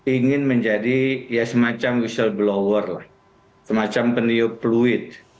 ingin menjadi semacam whistleblower semacam peniup fluid